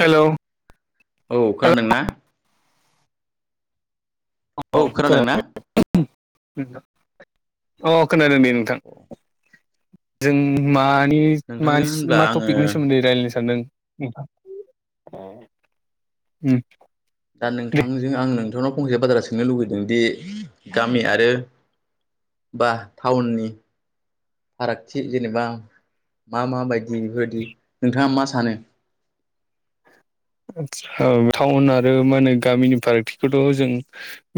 Hello औ hello खोनादोंना औ खोनादों नोंथां अ खोनादों दे नोंथां जों मा मानि नोंथांजों होनब्ला मा आङो टपिकनि सोमोन्दै रायज्लायनो सानदों नोंथां उम दा दे नोंथांजों आं नोंथांनाव फंसे बाथ्रा सोंनो लुुबैदों दि गामि आरो बा टाउननि फारागथि जेनेबा मा मा बायदि बेफोरबायदि नोंथाङा मा सानो [inaudible] ओ टाउन आरो मा होनो गामिनि फारागथिखौथ' जों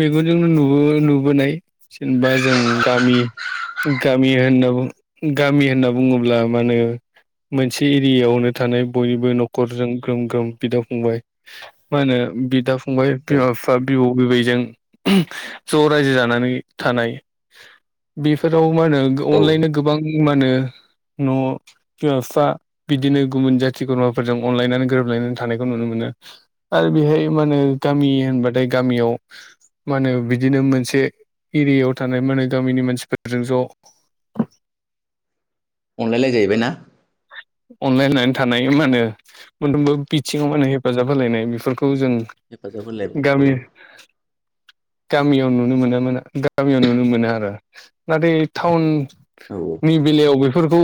मेगनजोंनो नुबोबाय नुबोनाय जेनेबा जों गामि गामि होनना गामि होनना बुङोब्ला मा होनो मोनसे एरियायावनो थानाय बयनिबो न'खरजों ग्रोम ग्रोम बिदा फंबाय मा होनो बिदा फंबाय औ बिमा बिफा बिबौ बिबैजों ज' रायजो जानानै थानाय बेफोराव मा होनो औ अनलाइन गोबां मा होनो न' बिमा बिफा बिदिनो गुबुन जाथि खुरमाफोरजों अनलायनानै गोरोबलायनानै थानायखौ नुनो मोनो आरो बेहाय मा होनो गामि होनबाथाय गामियाव मा होनो बिदिनो मोनसे एरियायाव थानाय मानो गामिनि मानसिफोरजों ज' [inaudible] अनलायलाय जाहैबाय ना अनलायनानै थानाय मा होनो मोनफ्रोमबो बिथिङाव मा होनो हेफाजाब होलायनाय बेफोरखौ जों हेफाजाब होलायबाय गामि गामियाव गामियाव नुनो मोनोमोन गामियाव नुनो मोनो आरो नाथाय टाउन औ नि बेलायाव बेफोरखौ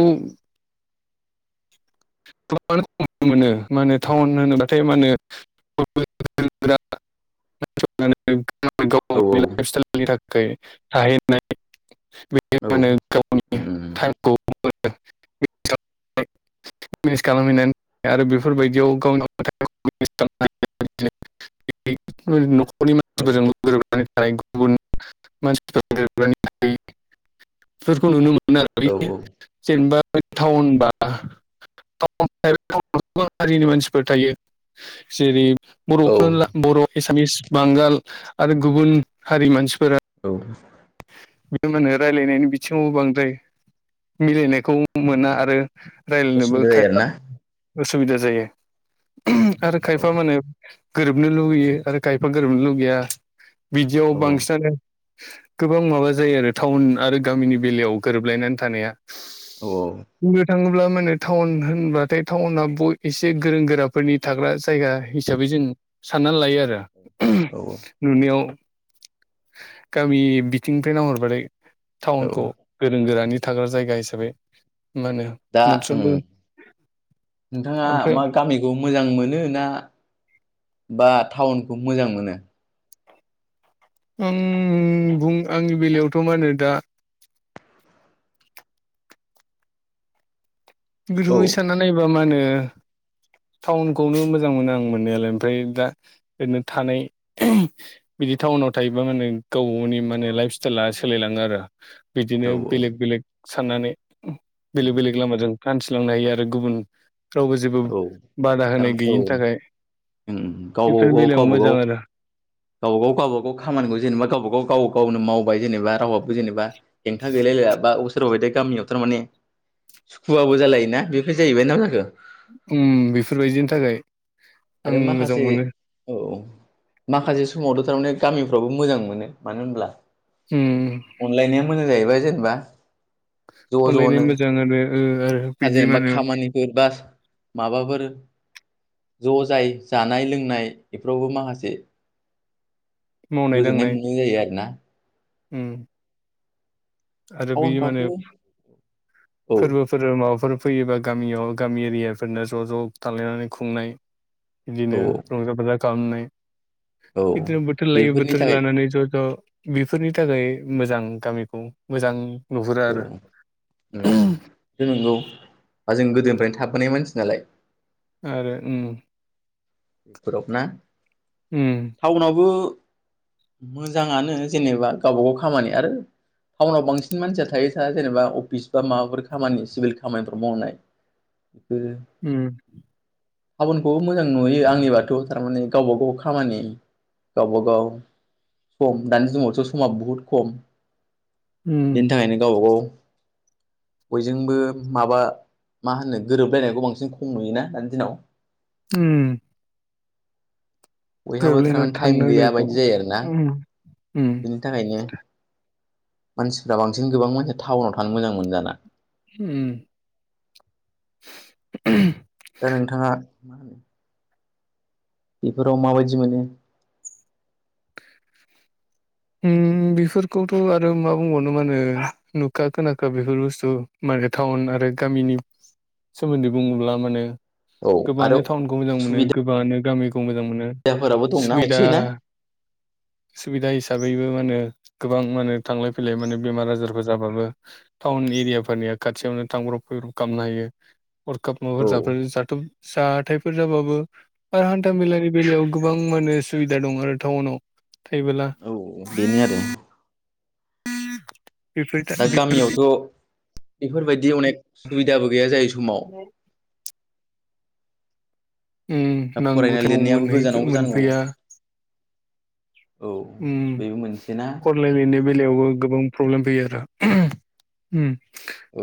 गोबांआनो खम नुनो मोनो मा होनो टाउन होनोब्लाथाय मा होनो [unintelligible] गाव औ गावनि लाइफ स्टाइलनि थाखाय थाहैनाय औ बेमा होनो उम गावनि उम टाइमखौ [unintelligible] [unintelligible] बेफोर बायदियाव [unintelligible] [unintelligible] नखरनि मानथि औ फोरजोंल' गोरोबो [unintelligible] फोरखो‌ नुनो मोनो औ [unintelligible] जेनबा थउनबा [unintelligible] गोबां हारिनि मानथिफोर थायो‌ जेरै औ बर'खौ बर' एसामिस बांगाल आरो गुबुन हारि मानसिफोरा औ बे मानो रायलायनायनि बिथिङावबो बांद्राय मिलायनायखौ मोना आरो रायज्लायनोबो असुबिदा जायो खायफा आरोना उसुबिदा जायो आरो औ खायफा माने गोरोबनो लुुबैयो आरो खायफा गोरोबनो लुगैया बिदियाव औ औ बांसिनानो गोबां माबा जायो आरो टाउन आरो गामिनि बेलायाव गोरोबलायनानै थानाया औ बुंनो थाङोब्ला मा होनो टाउन होनब्लाथाय टाउना एसे गोरों गोराफोरनि थाग्रा जायगा। हिसाबै जों साननानै लायो आरो औ नुनायाव गामि बिथिंनिफ्राय नांहरबाथाय टाउनखौ औ गोरों गोरानि थाग्रा जायगा हिसाबै मा होनो मोनफ्रोमबो नोंथांङा ओमफ्राय मा गामिखौ मोजां मोनो ना बा टाउन खौ मोजां मोनो? आं बुं आंनि बेलायावथ' मा होनो दा औ [unintelligible] सानना नायोबा मा होनो टाउनखौनो मोजां मोनो आं मोननायालाय ओमफाय दा ओरैनो थानाय बिदि बे टाउनाव थायोबा माने गावब गावनि माने लाइफ स्टाइला सोलायलांङो आरो बिदिनो औ बेलेक बेलेक साननानै बेलेक बेलेग लामाजों थिलांनो हायो आरो गुबुनफ्रावबो जेबो औ बादा होनाय गैयैनि थाखाय बेफोरनि गावबागाव बेलायाव मोजां गावबागाव आरो गावबागाव गावबागाव खामानिखौ जेनेबा गावबागाव गाव गावनो मावबाय जेनेबा रावाबो जेनेबा हेंथा गैलायलायला बा सोरबा बायदिया गामियाव थारमाने सुखुवाबो जालायोना बेफोर जाहैबाय ना जाखो? उम बेफोरबायदिनि थाखाय। आं आरो मोजां माखासे मोनो औ। माखासे समावथ' थारमाने गामिफ्रावबो मोजां मोनो मानो होनब्ला उम। मिलायबाय जेनेबा। ज' अनलायनाय ज'नो मोजां आरो ओ आरो हाजिर बिदि जेनेबा मा होनो खामानिफोर बा माबाफोर ज' जाय जानाय लोंनाय बेफोरावबो माखासे मावनाय गोजोननाय दांनाय मोननाय जायो आरो ना? उम। आरो बे टाउनफ्रावथ' माने औ फोरबोफोर माबाफोर फैयोबा गामियाव गामि एरियाफोरनो ज' ज' थालायनानै खुंनाय बिदिनो औ रंजा बाजा खालामनाय। औ इदिनो बोथोर लायो बेफोरनि बोथोर थाखाय लानानै ज' ज' बेफोरनि थाखाय मोजां गामिखौ मोजां नहुरो औ आरो। उम बे नंगौ बा जों गोदोनिफ्रायनो थाबोनाय मानसि नालाय। आरो उम। बेफोराव ना? उम टाउनावबो मोजांङानो जेनेबा गावबा गाव खामानि आरो टाउनाव बांसिन मानसिया थायो सा जेनेबा अफिस बा माबाफोर खामानि सिभिल खामानिफोर मावनाय [inaudible] बेफोरो उम टाउनखौबो मोजां नुयो आंनिबाथ' थार माने गावबा गाव खामानि गावबागाव। सम दानि जुगावथ' समा बहुद खम उम बिनि थाखायनो गावबा गाव [inaudible] बयजोंबो माबा मा होनो गोरोबलायनायखौ बांसिन खम नुयोना दानि दिनाव? उम। बयहाबो गोरोबलायनानै थारमाने टाइम थानो गैया रोंनायखौ बायदि जायो आरोना उम उम बिनि थाखायनो मानसिफ्रा बांसिन गोबां मानसिया टाउनाव थानो मोजां मोनो दाना। उम। [unintelligible] दा नोंथांङा मा होनो बेफोराव माबायदि मोनो? उम बेफोरखौथ' आरो मा बुंबावनो मा होनो नुखा खोनाखा बेफोर बुस्थु आरो टाउन आरो गामिनि सोमोन्दै बुंङोब्ला मानो औ आरो गोबांङानो टाउनखौ मोजां मोनो गोबांङानो गामि मोनो सुबिदाफोराबो दंना सुबिदा एसे ना हिसाबै। बै बेबो माने गोबां माने थांलाय फैलाय माने बेमार आजारफोर जाबाबो टाउन एरियाफोरनि खाथियावनो थांब्रब फैब्रुब खालामनो हायो हरखाब माबाफोर औ जाफ जाथ' जाथथायफोर जाबाबो आरो हान्थामेलानि बेलायाव गोबां माने सुबिदा दं आरो टाउनाव। थैबोला। औ बेनो आरो। दा बेफोर गामियावथ' [unintelligible] बेफोरबायदि अनेक सुबिदाबो गैया जाय समाव। दा ओम नांगौ फरायनाय टाइम आव लिरनायाबो मोन गोजानावबो जानांगौ मोनफैया। औ बेबो मोनसे ना फरायलायनायनि बेलायावबो गोबां प्रब्लेम फैयो आरो। ओम। औ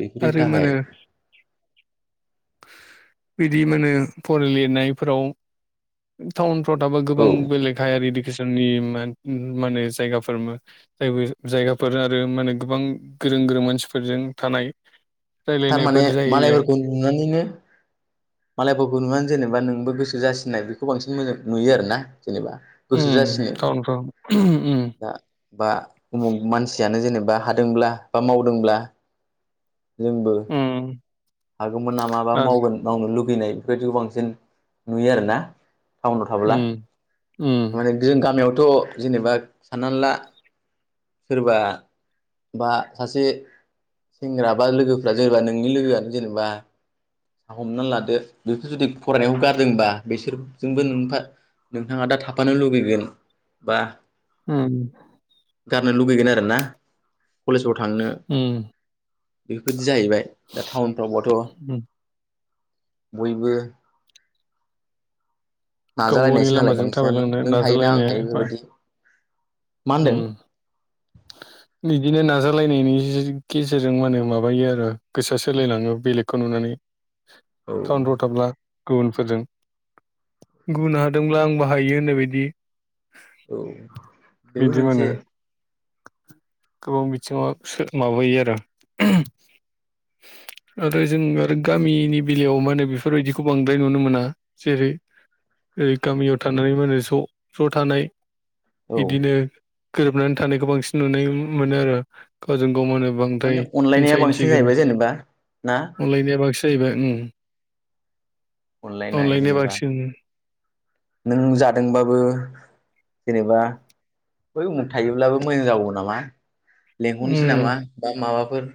बेफोरनि थाखाय बिदि मोनो फराय लिरनायफोराव टाउन थाबा गोबां औ बेलेखायारि जोंनि जायगाफोर जायगाफोर आरो माने गोबां गोरों गोरों मानसिफोरजों थानाय थारमाने रायलायनायफोर जायो मालायफोरखौ नुनानैनो मालायफोरखौ नुनानै जेनेबा नोंबो गोसो जासिनाय बेखौ बांसिन मोजां नुयो आरो ना जेनेबा गोसो उम जासिनो टाउनफ्राव उम दा बा उमुख मानसियानो जेनेबा बा हादोंब्ला बा मावदोंब्ला जोंबो उम हागौमोन नामा बा नाज मावगोन मावनो लगै लुगैनाय बेफोरबायदिखौ बांसिन नुयो आरोना टाउनाव थाबोला उम उम थारमाने जों गामियावथ' जेनेबा साननानै ला सोरबा बा सासे सेंग्रा बा लोगोफ्रा जेनेबा नोंनि लोगोआनो जेनेबा साहा हमनानै लादो बेखौ जुदि फरायनायखौ गारदोंबा बिसोर जोंबो नो नोंथाङा दा थाफानो लुुबैगोन बा ओम गारनो लुगैगोन आरोना कलेजाव थांनो उम बेफोरदि जाहैबाय दा टाउनफ्रावबथ' उम बयबो गाव गावनि नाजालायनायसै नालाय लामाजों बांसिनानो थाबायलांनो नों हायो ना आं हायो बेबायदि ओम बिदिनो नाजालायनायनि गेजेरजों मान होने माबायो आरो गोसोआ सोलायलांङो बेलेगखौ नुनानै। औ टाउन फोराव थाब्ला गुबुनफोरजों बुंनो हादोंब्ला आं बाहायो होननाय बायदि। औ बेबो बिदि मोनो मोनसे गोबां बिथिङावो माबायो आरो आरो जों आरो गामिनि बेलायाव मा होनो बेफोरबायदिखौ बांद्राय नुनो मोना जेरै ओै गामियाव थानानै मानो ज' ज' थानाय औ बिदिनो गोरोबनानै थानायखौ बांसिन नुनाय मोनो आरो गावजों गाव मो बांद्राय थारमाने अनलायनाया बांसिन हसासिगोन जाहैबाय जेनेबा ना अनलायनाया बांसिन जायैबाय उम। अनलायनाय अनलायनाया जेनेबा बांसिन नों जादोंबाबो जेनेबा बै उमुख थायोब्लाबो मोजां जागौ नामा। लेंंहरनोसै उम नामा बा माबाफोर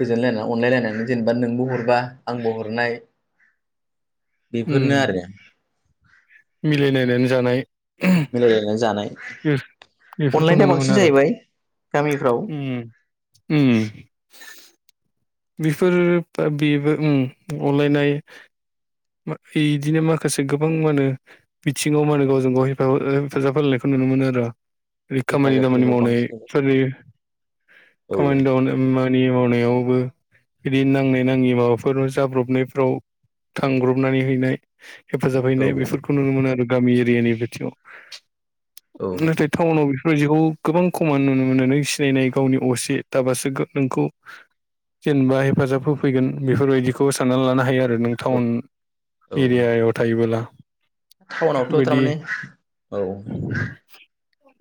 गोजोनलायनानै अनलायलायनानै जेनेबा नोंबो हरबा आंबो हरनाय उम बेफोरनो आरो। मिलायलायनानै जानाय मिलायलायनानै जानाय बेफोरखौ अनलाायनाया नुनो मोनो बांसिन आरो जाहैबाय गामिफ्राव। उम उम। बेफोर बेबो उम अनलायनाय इदिनो माखासे गोबां मा होनो बिथिङाव मान गावजों गाव हेफाजाब होलायनायखौ नुनो नुनोमोनो आरो। खामानि हेफाजाब दामानि होनायाव मावनाय बांसिन सोलियो औ खामानिदामानि मावनायाव बो बिदिनो नांनाय नाङै माबाफोराव जाब्रबनायफ्राव थांब्रबनानै हैनाय हेफाजाब औ हैनाय बेफोरखौ नुनो मोनो आरो गामि एरियानि बिथिङाव औ नाथाय टाउनाव बेफोरबादिखौ गोबां खमान नुनो मोनो नों सिनायनाय गावनि असे थाबासो नोंखौ जेनेबा हेफाजाब होफैगोन बेफोरबायदिखौ साननानै लानो हायो आरो नों औ टाउन औ एरियायाव थायोबोब्ला। टाउनावथ' थारमाने औ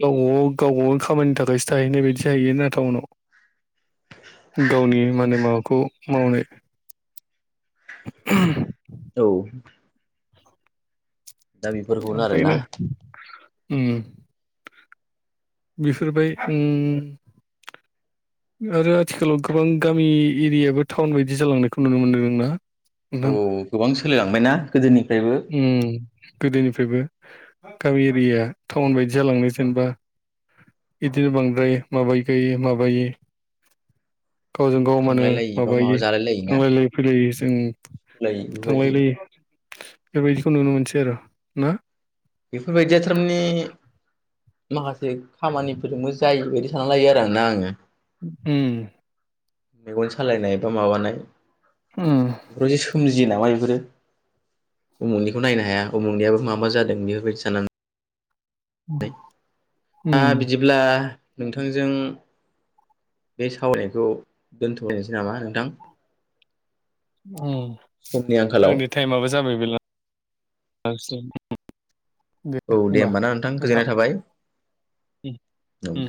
गावबा गावबागाव नि खामानिनि थाखायसो थाहैनाय बायदि जाहैयोना टाउनाव गावनि माने माबाखौ मावनो [unintelligible] औ दा बेफोरखौनो आरोना ओंखायनो उम। बेफोरबाय उम आरो आथिखालाव गोबां गामि एरियाबो टाउन बायदि जालांनायखौ नुनो मोनदों ना? औ गोबां सोलिलांबायना गोदोनिफ्रायबो उम गोदोनिफ्रायबो गामि एरियाया टाउन बायदि जालांनो जेनेबा बिदिनो बांद्राय माबाय गायो माबायो गावजों गाव मा होनो थांलाय लायि बा माबायो माबा जालाय लायोना थांलायलाय फैलायै जों लायि बेबायदि थांलायलायो। बेफोरबायदिखौ नुनो मोनसै आरो ना! बेफोरबायदिया थारमानि माखासे खामानिफोरजोंबो जायो बायदि सानना लायो आरोना आङो उम। मेगन सालायनाय बा माबानाय उम बेफोर जे सोमजि यो नामा बेफोरो उमुनिखौ नायनो हाया उमुखनियाबो मा मा जादों बेफोरबायदि साननानै। दा उम बिदिब्ला नोंथांजों बे सावरायनायखौ दोनथ'नोसै नामा नोंथां? उम समनि आंखालाव आंनि टाइमाबो जाबाय बेल दे औ होमबा ना नोंथां। गोजोननाय थाबाय औ दे